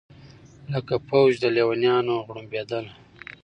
لکه فوج د لېونیانو غړومبېدله